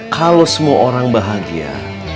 kalau semua orang bahagia